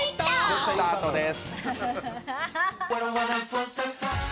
スタートです。